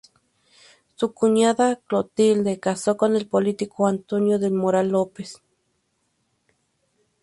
Su cuñada Clotilde casó con el político Antonio del Moral López.